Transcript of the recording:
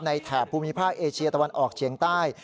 แถบภูมิภาคเอเชียตะวันออกเฉียงใต้